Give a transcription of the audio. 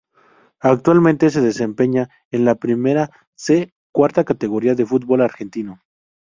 Actualmente se desempeña en la Primera C cuarta categoría del Fútbol argentino.